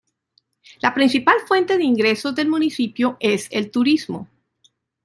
La principal fuente de ingresos del municipio es el turismo.